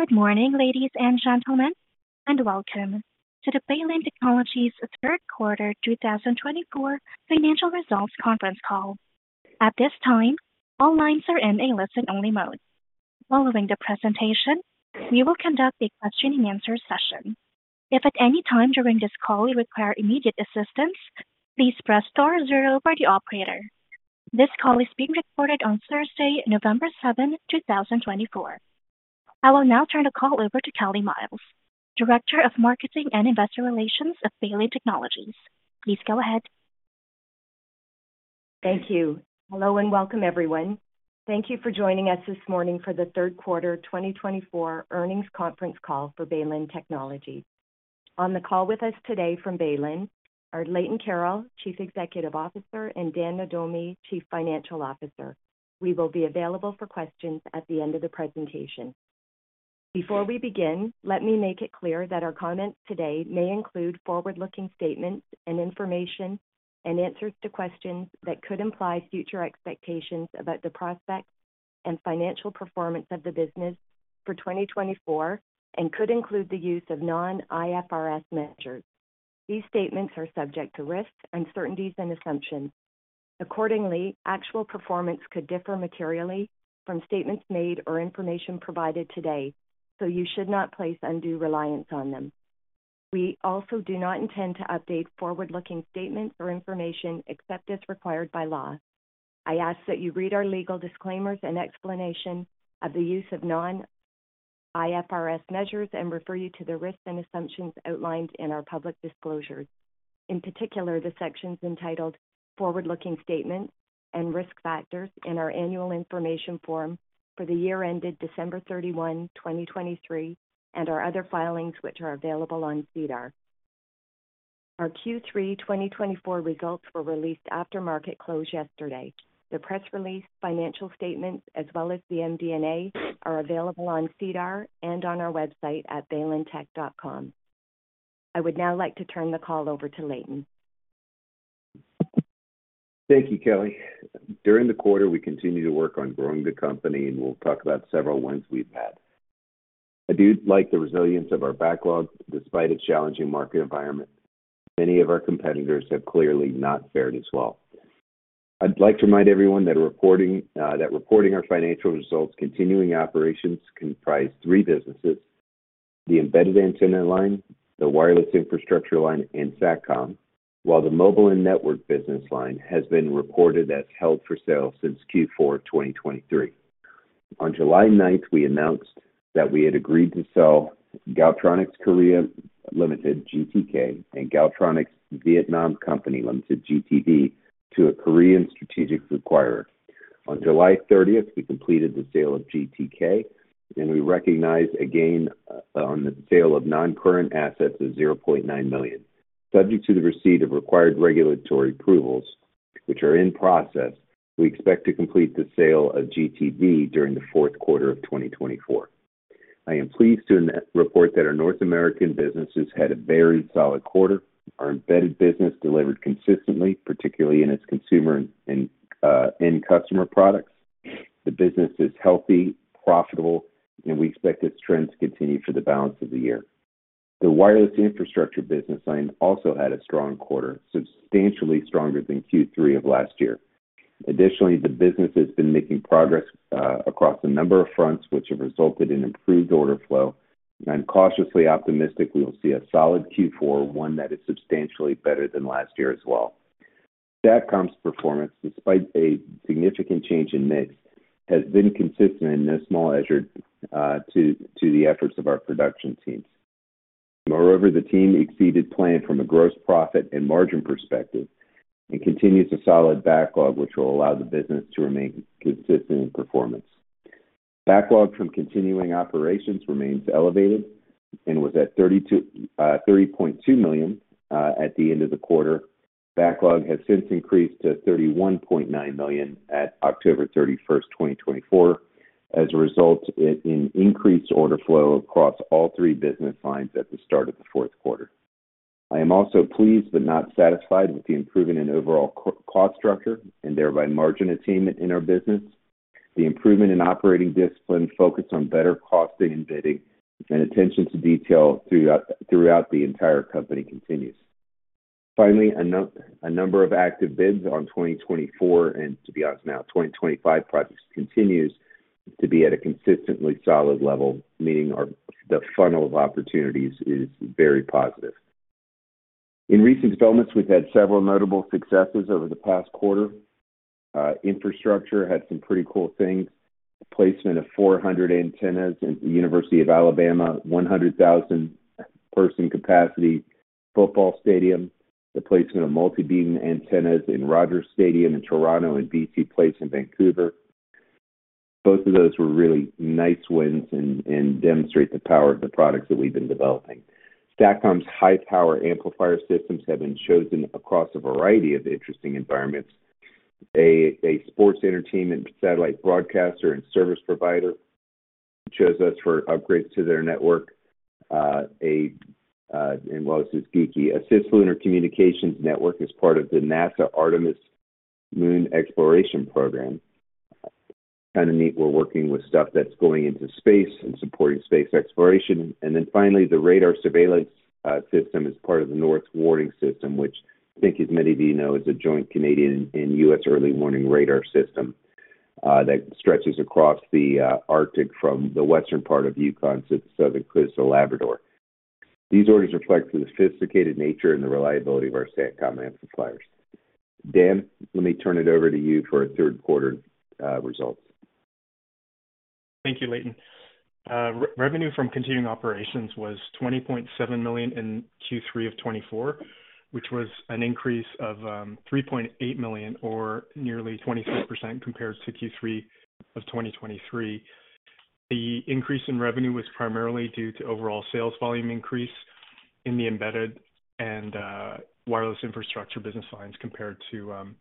Good morning, ladies and gentlemen, and welcome to the Baylin Technologies' Third Quarter 2024 Financial Results Conference Call. At this time, all lines are in a listen-only mode. Following the presentation, we will conduct a question-and-answer session. If at any time during this call you require immediate assistance, please press star zero for the operator. This call is being recorded on Thursday, November 7, 2024. I will now turn the call over to Kelly Myles, Director of Marketing and Investor Relations at Baylin Technologies. Please go ahead. Thank you. Hello and welcome, everyone. Thank you for joining us this morning for the Third Quarter 2024 Earnings Conference Call for Baylin Technologies. On the call with us today from Baylin are Leighton Carroll, Chief Executive Officer, and Dan Nohdomi, Chief Financial Officer. We will be available for questions at the end of the presentation. Before we begin, let me make it clear that our comments today may include forward-looking statements and information and answers to questions that could imply future expectations about the prospects and financial performance of the business for 2024 and could include the use of non-IFRS measures. These statements are subject to risks, uncertainties, and assumptions. Accordingly, actual performance could differ materially from statements made or information provided today, so you should not place undue reliance on them. We also do not intend to update forward-looking statements or information except as required by law. I ask that you read our legal disclaimers and explanation of the use of Non-IFRS measures and refer you to the risks and assumptions outlined in our public disclosures, in particular the sections entitled Forward-Looking Statements and Risk Factors in our Annual Information Form for the year ended December 31, 2023, and our other filings, which are available on SEDAR+. Our Q3 2024 results were released after market close yesterday. The press release, financial statements, as well as the MD&A are available on SEDAR+ and on our website at baylintech.com. I would now like to turn the call over to Leighton. Thank you, Kelly. During the quarter, we continue to work on growing the company, and we'll talk about several wins we've had. I do like the resilience of our backlog. Despite a challenging market environment, many of our competitors have clearly not fared as well. I'd like to remind everyone that reporting our financial results, continuing operations comprise three businesses: the embedded antenna line, the wireless infrastructure line, and SATCOM, while the mobile and network business line has been reported as held for sale since Q4 2023. On July 9, we announced that we had agreed to sell Galtronics Korea Limited (GTK) and Galtronics Vietnam Company Limited (GTB) to a Korean strategic acquirer. On July 30, we completed the sale of GTK, and we recognize a gain on the sale of non-current assets of 0.9 million. Subject to the receipt of required regulatory approvals, which are in process, we expect to complete the sale of GTB during the fourth quarter of 2024. I am pleased to report that our North American businesses had a very solid quarter. Our embedded business delivered consistently, particularly in its consumer and end-customer products. The business is healthy, profitable, and we expect its trends to continue for the balance of the year. The wireless infrastructure business line also had a strong quarter, substantially stronger than Q3 of last year. Additionally, the business has been making progress across a number of fronts, which have resulted in improved order flow, and I'm cautiously optimistic we will see a solid Q4, one that is substantially better than last year as well. SATCOM's performance, despite a significant change in mix, has been consistent and no small measure to the efforts of our production teams. Moreover, the team exceeded plan from a gross profit and margin perspective and continues a solid backlog, which will allow the business to remain consistent in performance. Backlog from continuing operations remains elevated and was at 30.2 million at the end of the quarter. Backlog has since increased to 31.9 million at October 31, 2024, as a result of increased order flow across all three business lines at the start of the fourth quarter. I am also pleased but not satisfied with the improvement in overall cost structure and thereby margin attainment in our business. The improvement in operating discipline, focus on better costing and bidding, and attention to detail throughout the entire company continues. Finally, a number of active bids on 2024 and, to be honest, now 2025 projects continues to be at a consistently solid level, meaning the funnel of opportunities is very positive In recent developments, we've had several notable successes over the past quarter. Infrastructure had some pretty cool things: placement of 400 antennas at the University of Alabama, 100,000-person capacity football stadium, the placement of multibeam antennas in Rogers Stadium in Toronto, and BC Place in Vancouver. Both of those were really nice wins and demonstrate the power of the products that we've been developing. SATCOM's high-power amplifier systems have been chosen across a variety of interesting environments. A sports entertainment satellite broadcaster and service provider chose us for upgrades to their network, as well as [ASCCII]. A Cisco Intercommunications network as part of the NASA Artemis Moon Exploration Program. Kind of neat we're working with stuff that's going into space and supporting space exploration. Then finally, the radar surveillance system as part of the North Warning System, which I think as many of you know is a joint Canadian and U.S. early warning radar system that stretches across the Arctic from the western part of Yukon to the southern coast of Labrador. These orders reflect the sophisticated nature and the reliability of our SATCOM amplifier. Dan, let me turn it over to you for our third quarter results. Thank you, Leighton. Revenue from continuing operations was 20.7 million in Q3 of 2024, which was an increase of 3.8 million, or nearly 23% compared to Q3 of 2023. The increase in revenue was primarily due to overall sales volume increase in the embedded and wireless infrastructure business lines compared to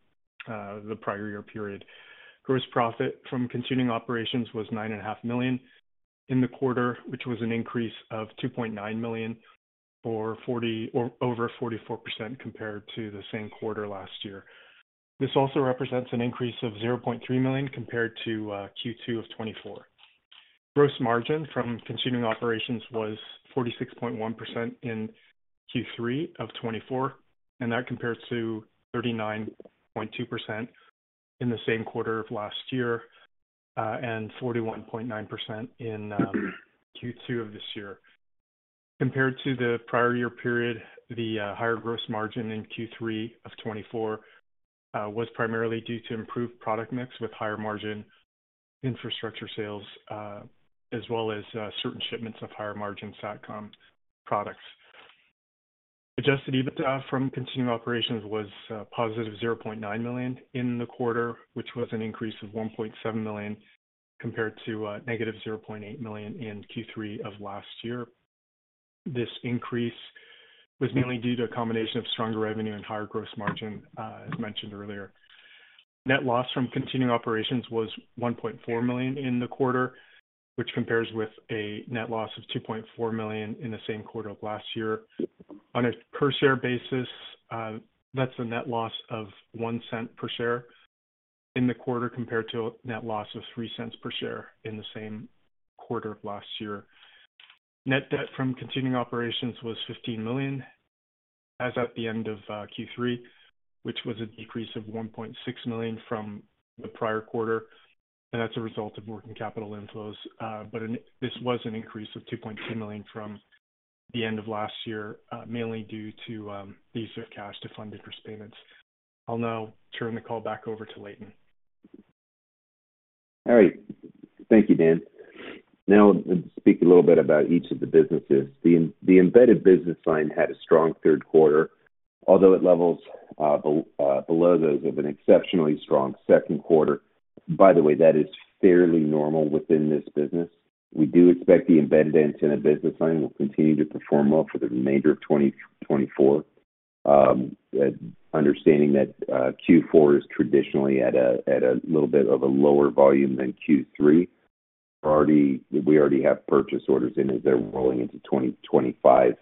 the prior year period. Gross profit from continuing operations was 9.5 million in the quarter, which was an increase of 2.9 million, or over 44% compared to the same quarter last year. This also represents an increase of 0.3 million compared to Q2 of 2024. Gross margin from continuing operations was 46.1% in Q3 of 2024, and that compares to 39.2% in the same quarter of last year and 41.9% in Q2 of this year. Compared to the prior year period, the higher gross margin in Q3 of 2024 was primarily due to improved product mix with higher margin infrastructure sales, as well as certain shipments of higher margin SATCOM products. Adjusted EBITDA from continuing operations was positive 0.9 million in the quarter, which was an increase of 1.7 million compared to negative 0.8 million in Q3 of last year. This increase was mainly due to a combination of stronger revenue and higher gross margin, as mentioned earlier. Net loss from continuing operations was 1.4 million in the quarter, which compares with a net loss of 2.4 million in the same quarter of last year. On a per-share basis, that's a net loss of 0.01 per share in the quarter compared to a net loss of 0.03 per share in the same quarter of last year. Net debt from continuing operations was 15 million, as at the end of Q3, which was a decrease of 1.6 million from the prior quarter, and that's a result of working capital inflows. This was an increase of 2.2 million from the end of last year, mainly due to the use of cash to fund interest payments. I'll now turn the call back over to Leighton. All right. Thank you, Dan. Now, speak a little bit about each of the businesses. The Embedded Antenna business line had a strong third quarter, although at levels below those of an exceptionally strong second quarter. By the way, that is fairly normal within this business. We do expect the Embedded Antenna business line will continue to perform well for the remainder of 2024, understanding that Q4 is traditionally at a little bit of a lower volume than Q3. We already have purchase orders in as they're rolling into 2025,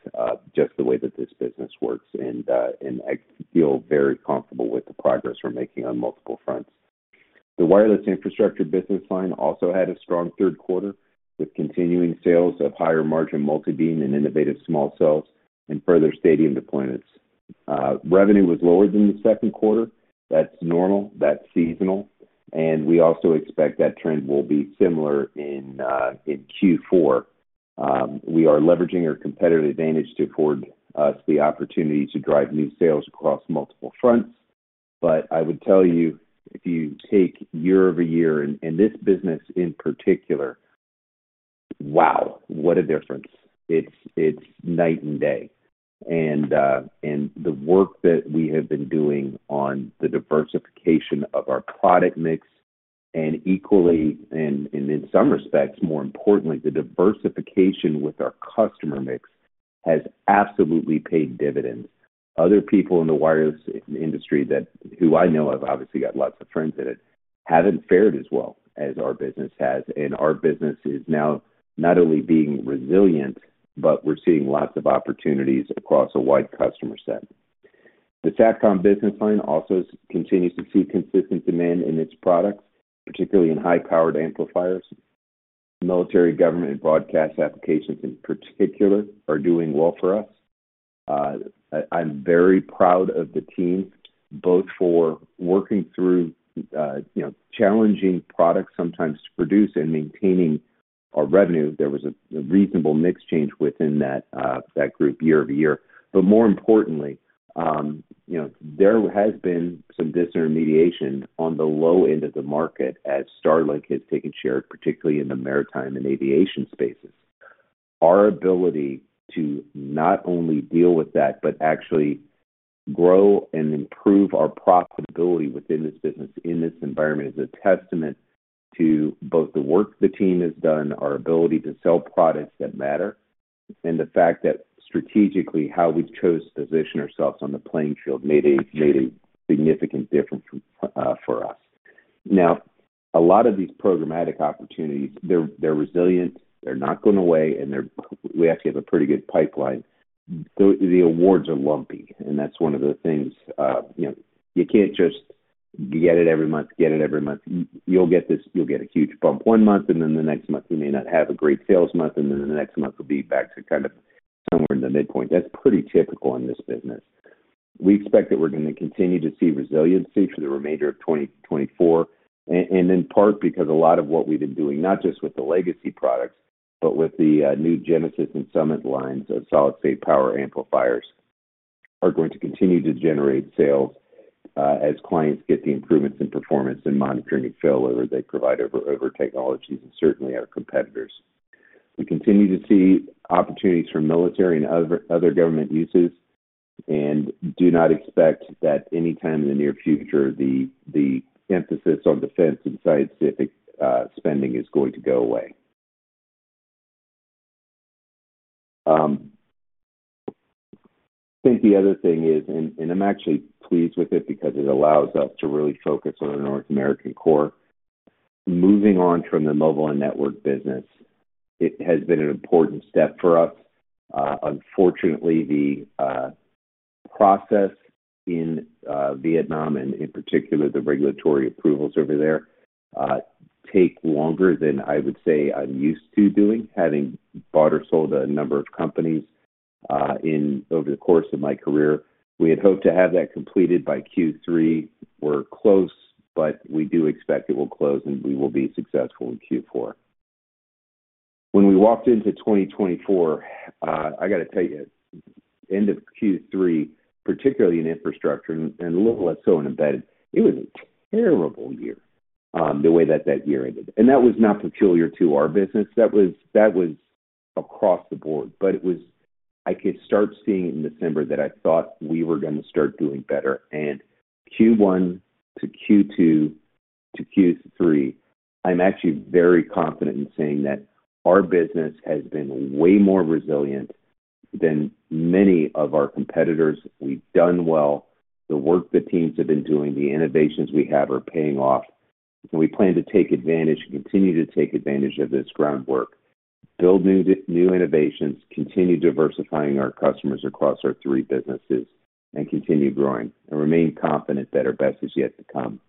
just the way that this business works, and I feel very comfortable with the progress we're making on multiple fronts. The Wireless Infrastructure business line also had a strong third quarter with continuing sales of higher margin multibeam and innovative small cells and further stadium deployments. Revenue was lower than the second quarter. That's normal. That's seasonal. We also expect that trend will be similar in Q4. We are leveraging our competitive advantage to afford us the opportunity to drive new sales across multiple fronts. I would tell you, if you take year over year, and this business in particular, wow, what a difference. It's night and day. The work that we have been doing on the diversification of our product mix and equally, and in some respects, more importantly, the diversification with our customer mix has absolutely paid dividends. Other people in the wireless industry that I know have obviously got lots of friends in it haven't fared as well as our business has. Our business is now not only being resilient, but we're seeing lots of opportunities across a wide customer set. The SATCOM business line also continues to see consistent demand in its products, particularly in high-powered amplifiers. Military government broadcast applications, in particular, are doing well for us. I'm very proud of the team, both for working through challenging products sometimes to produce and maintaining our revenue. There was a reasonable mix change within that group year over year. More importantly, there has been some disintermediation on the low end of the market as Starlink has taken share, particularly in the maritime and aviation spaces. Our ability to not only deal with that, but actually grow and improve our profitability within this business, in this environment, is a testament to both the work the team has done, our ability to sell products that matter, and the fact that strategically how we chose to position ourselves on the playing field made a significant difference for us. Now, a lot of these programmatic opportunities, they're resilient, they're not going away, and we actually have a pretty good pipeline. The awards are lumpy, and that's one of the things. You can't just get it every month, get it every month. You'll get a huge bump one month, and then the next month you may not have a great sales month, and then the next month will be back to kind of somewhere in the midpoint. That's pretty typical in this business. We expect that we're going to continue to see resiliency for the remainder of 2024, and in part because a lot of what we've been doing, not just with the legacy products, but with the new Genesis and Summit lines of solid-state power amplifiers, are going to continue to generate sales as clients get the improvements in performance and monitoring failover they provide over technologies and certainly our competitors. We continue to see opportunities for military and other government uses and do not expect that anytime in the near future the emphasis on defense and scientific spending is going to go away. I think the other thing is, and I'm actually pleased with it because it allows us to really focus on our North American core, moving on from the mobile and network business. It has been an important step for us. Unfortunately, the process in Vietnam, and in particular the regulatory approvals over there, take longer than I would say I'm used to doing, having bought or sold a number of companies over the course of my career. We had hoped to have that completed by Q3. We're close, but we do expect it will close and we will be successful in Q4. When we walked into 2024, I got to tell you, end of Q3, particularly in infrastructure and a little less so in embedded. It was a terrible year the way that that year ended, and that was not peculiar to our business. That was across the board, but I could start seeing in December that I thought we were going to start doing better, and Q1 to Q2 to Q3, I'm actually very confident in saying that our business has been way more resilient than many of our competitors. We've done well. The work the teams have been doing, the innovations we have are paying off, and we plan to take advantage and continue to take advantage of this groundwork, build new innovations, continue diversifying our customers across our three businesses, and continue growing and remain confident that our best is yet to come.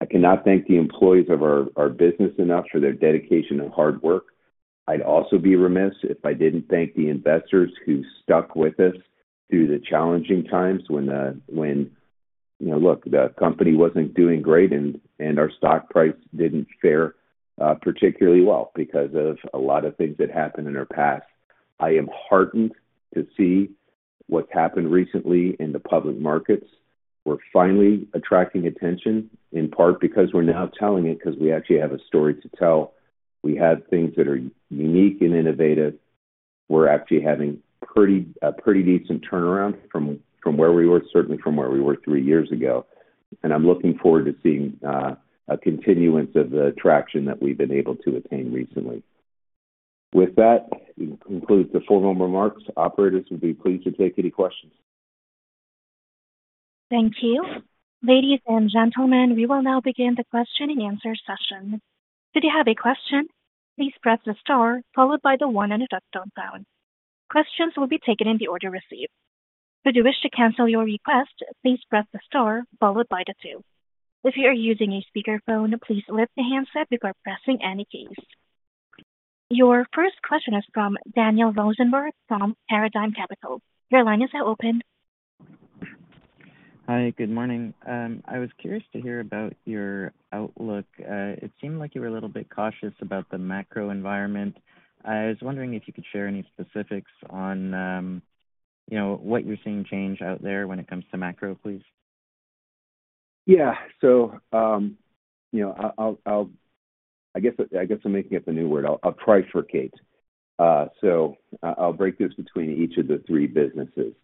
I cannot thank the employees of our business enough for their dedication and hard work. I'd also be remiss if I didn't thank the investors who stuck with us through the challenging times when, look, the company wasn't doing great and our stock price didn't fare particularly well because of a lot of things that happened in our past. I am heartened to see what's happened recently in the public markets. We're finally attracting attention, in part because we're now telling it, because we actually have a story to tell. We have things that are unique and innovative. We're actually having pretty decent turnaround from where we were, certainly from where we were three years ago. I'm looking forward to seeing a continuance of the traction that we've been able to attain recently. With that, it concludes the formal remarks. Operators will be pleased to take any questions. Thank you. Ladies and gentlemen, we will now begin the question and answer session. If you have a question, please press the star followed by the one on the touch-tone phone. Questions will be taken in the order received. If you wish to cancel your request, please press the star followed by the two. If you are using a speakerphone, please lift the handset before pressing any keys. Your first question is from Daniel Rosenberg from Paradigm Capital. Your line is now open. Hi, good morning. I was curious to hear about your outlook. It seemed like you were a little bit cautious about the macro environment. I was wondering if you could share any specifics on what you're seeing change out there when it comes to macro, please. Yeah. So, I guess I'm making up a new word. I'll trifurcate. I'll break this between each of the three businesses.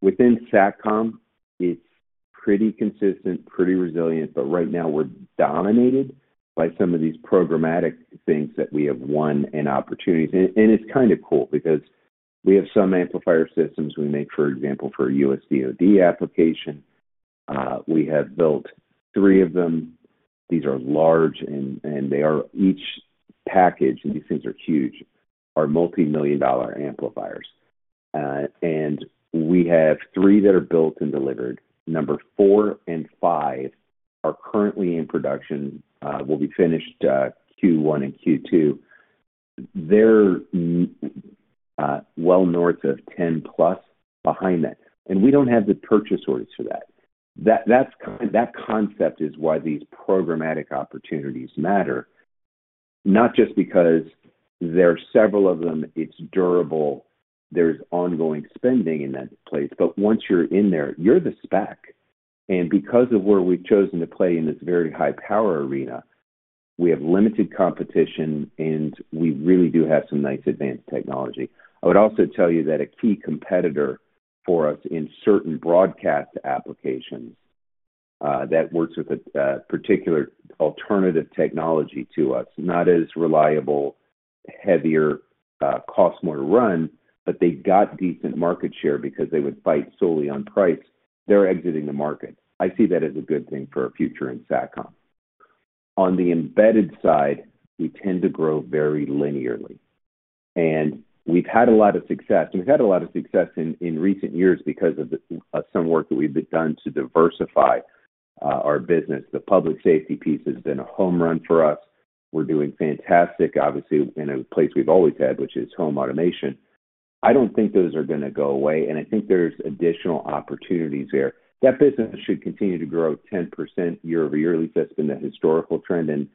Within SATCOM, it's pretty consistent, pretty resilient, but right now we're dominated by some of these programmatic things that we have won and opportunities. It's kind of cool because we have some amplifier systems we make, for example, for a U.S. Department of Defense application. We have built three of them. These are large, and they are each packaged, and these things are huge, are multimillion-dollar amplifiers. We have three that are built and delivered. Number four and five are currently in production. Will be finished Q1 and Q2. They're well north of 10 plus behind that. We don't have the purchase orders for that. That concept is why these programmatic opportunities matter, not just because there are several of them. It's durable. There's ongoing spending in that place, but once you're in there, you're the spec. Because of where we've chosen to play in this very high power arena, we have limited competition, and we really do have some nice advanced technology. I would also tell you that a key competitor for us in certain broadcast applications that works with a particular alternative technology to us, not as reliable, heavier, costs more to run, but they got decent market share because they would fight solely on price, is exiting the market. I see that as a good thing for our future in SATCOM. On the embedded side, we tend to grow very linearly, and we've had a lot of success. We've had a lot of success in recent years because of some work that we've done to diversify our business. The public safety piece has been a home run for us. We're doing fantastic, obviously, in a place we've always had, which is home automation. I don't think those are going to go away, and I think there's additional opportunities there. That business should continue to grow 10% year over year, at least that's been the historical trend, and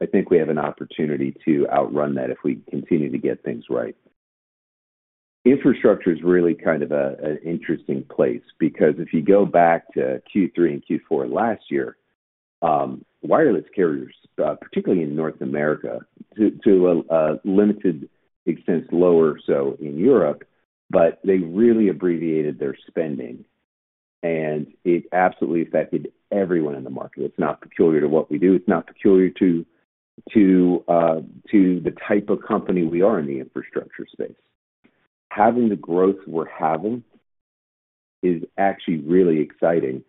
I think we have an opportunity to outrun that if we continue to get things right. Infrastructure is really kind of an interesting place because if you go back to Q3 and Q4 last year, wireless carriers, particularly in North America, to a limited extent, lower so in Europe, but they really abbreviated their spending, and it absolutely affected everyone in the market. It's not peculiar to what we do. It's not peculiar to the type of company we are in the infrastructure space. Having the growth we're having is actually really exciting,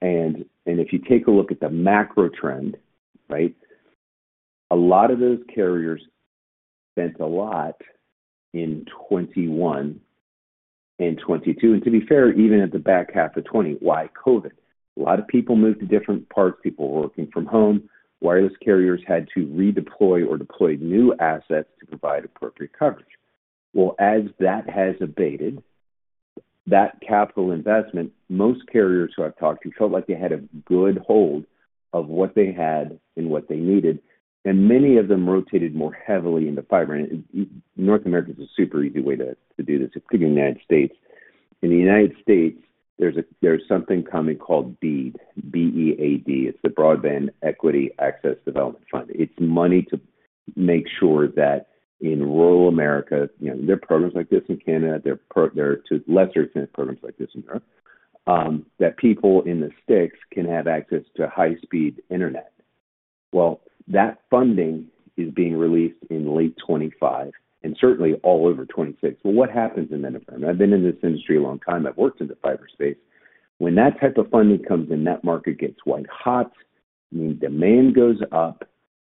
and if you take a look at the macro trend, right, a lot of those carriers spent a lot in 2021 and 2022, and to be fair, even at the back half of 2020, why COVID? A lot of people moved to different parts. People were working from home. Wireless carriers had to redeploy or deploy new assets to provide appropriate coverage, well, as that has abated, that capital investment, most carriers who I've talked to felt like they had a good hold of what they had and what they needed, and many of them rotated more heavily into fiber, and North America is a super easy way to do this, including the United States. In the United States, there's something coming called BEAD. B-E-A-D. It's the Broadband Equity, Access, and Deployment Program. It's money to make sure that in rural America, there are programs like this in Canada. There are to a lesser extent programs like this in Europe, that people in the sticks can have access to high-speed internet. That funding is being released in late 2025 and certainly all over 2026. What happens in that environment? I've been in this industry a long time. I've worked in the fiber space. When that type of funding comes in, that market gets white hot. I mean, demand goes up.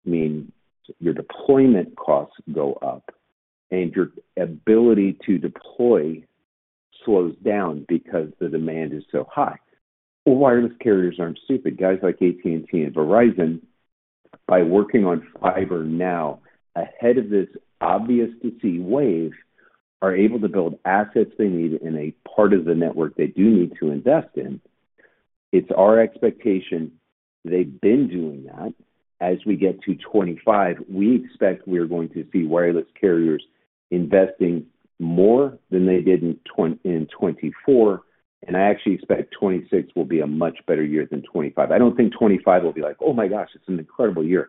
I mean, your deployment costs go up, and your ability to deploy slows down because the demand is so high. Wireless carriers aren't stupid. Guys like AT&T and Verizon, by working on fiber now, ahead of this obvious-to-see wave, are able to build assets they need in a part of the network they do need to invest in. It's our expectation. They've been doing that. As we get to 2025, we expect we're going to see wireless carriers investing more than they did in 2024, and I actually expect 2026 will be a much better year than 2025. I don't think 2025 will be like, "Oh my gosh, it's an incredible year."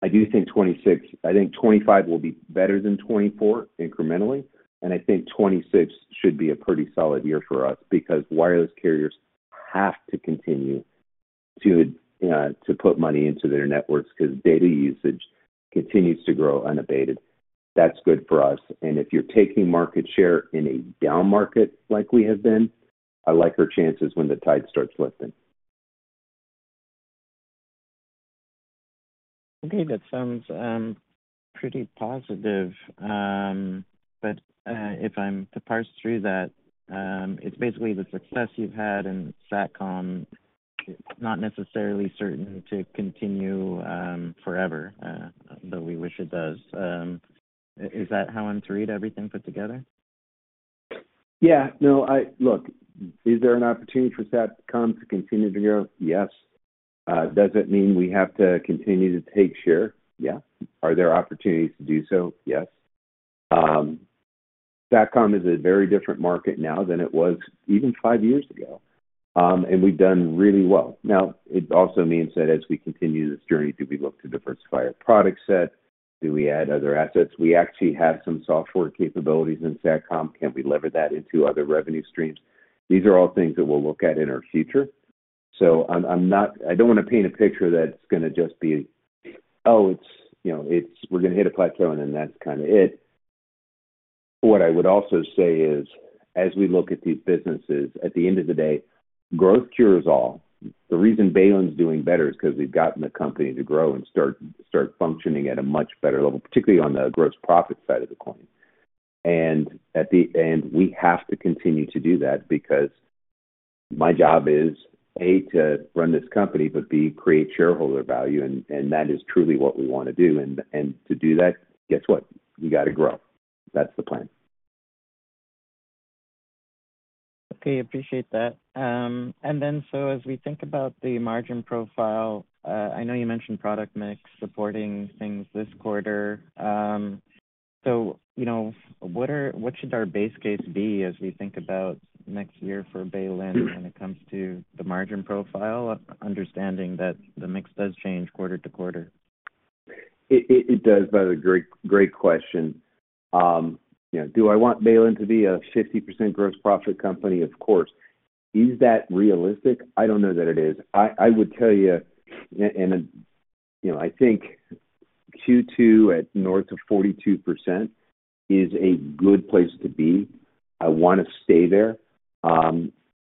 I do think 2026. I think 2025 will be better than 2024 incrementally, and I think 2026 should be a pretty solid year for us because wireless carriers have to continue to put money into their networks because data usage continues to grow unabated. That's good for us. If you're taking market share in a down market like we have been, I like our chances when the tide starts lifting. Okay. That sounds pretty positive, but if I'm to parse through that, it's basically the success you've had in SATCOM, not necessarily certain to continue forever, though we wish it does. Is that how I'm to read everything put together? Yeah. No, look, is there an opportunity for SATCOM to continue to grow? Yes. Does it mean we have to continue to take share? Yes. Are there opportunities to do so? Yes. SATCOM is a very different market now than it was even five years ago, and we've done really well. Now, it also means that as we continue this journey, do we look to diversify our product set? Do we add other assets? We actually have some software capabilities in SATCOM. Can we lever that into other revenue streams? These are all things that we'll look at in our future. I don't want to paint a picture that's going to just be, "Oh, we're going to hit a plateau, and then that's kind of it." What I would also say is, as we look at these businesses, at the end of the day, growth cures all. The reason Baylin's doing better is because we've gotten the company to grow and start functioning at a much better level, particularly on the gross profit side of the coin. We have to continue to do that because my job is, A, to run this company, but B, create shareholder value, and that is truly what we want to do. To do that, guess what? We got to grow. That's the plan. Okay. Appreciate that. Then so as we think about the margin profile, I know you mentioned product mix supporting things this quarter. What should our base case be as we think about next year for Baylin when it comes to the margin profile, understanding that the mix does change quarter to quarter? It does, but a great question. Do I want Baylin to be a 50% gross profit company? Of course. Is that realistic? I don't know that it is. I would tell you, and I think Q2 at north of 42% is a good place to be. I want to stay there.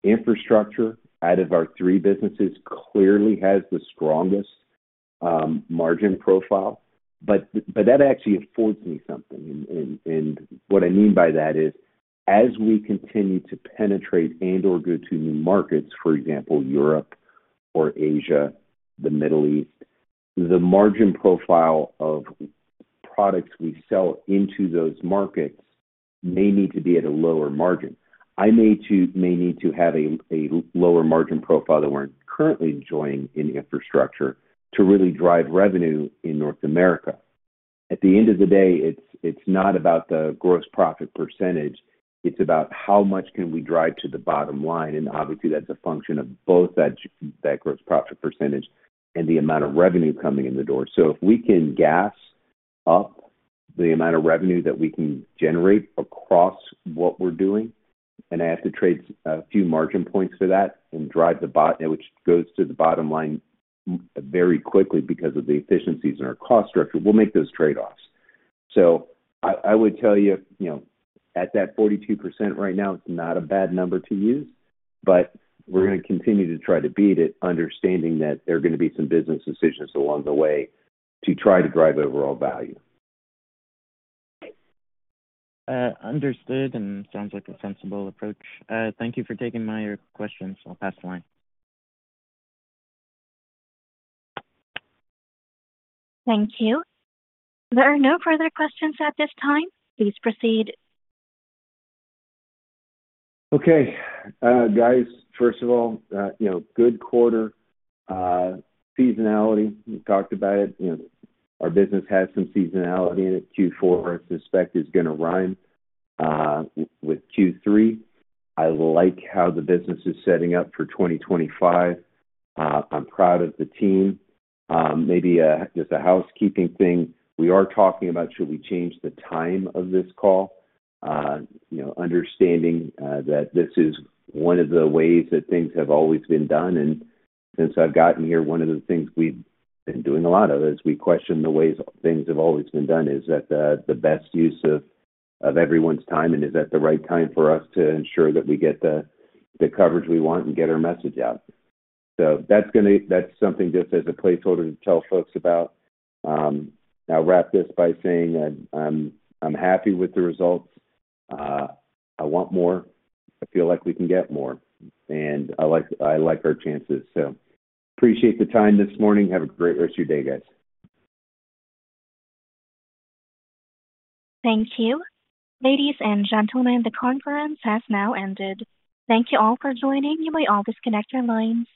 Infrastructure, out of our three businesses, clearly has the strongest margin profile, but that actually affords me something. What I mean by that is, as we continue to penetrate and/or go to new markets, for example, Europe or Asia, the Middle East, the margin profile of products we sell into those markets may need to be at a lower margin. I may need to have a lower margin profile than we're currently enjoying in infrastructure to really drive revenue in North America. At the end of the day, it's not about the gross profit percentage. It's about how much can we drive to the bottom line. Obviously, that's a function of both that gross profit percentage and the amount of revenue coming in the door. If we can gas up the amount of revenue that we can generate across what we're doing, and I have to trade a few margin points for that and drive the bottom, which goes to the bottom line very quickly because of the efficiencies in our cost structure, we'll make those trade-offs. I would tell you, at that 42% right now, it's not a bad number to use, but we're going to continue to try to beat it, understanding that there are going to be some business decisions along the way to try to drive overall value. Understood, and sounds like a sensible approach. Thank you for taking my questions. I'll pass the line. Thank you. There are no further questions at this time. Please proceed. Okay. Guys, first of all, good quarter. Seasonality. We talked about it. Our business has some seasonality in it. Q4, I suspect, is going to rhyme with Q3. I like how the business is setting up for 2025. I'm proud of the team. Maybe just a housekeeping thing. We are talking about should we change the time of this call. Understanding that this is one of the ways that things have always been done, and since I've gotten here, one of the things we've been doing a lot of is we question the ways things have always been done. Is that the best use of everyone's time, and is that the right time for us to ensure that we get the coverage we want and get our message out? That's something just as a placeholder to tell folks about. I'll wrap this by saying I'm happy with the results. I want more. I feel like we can get more, and I like our chances, so appreciate the time this morning. Have a great rest of your day, guys. Thank you. Ladies and gentlemen, the conference has now ended. Thank you all for joining. You may now disconnect your lines.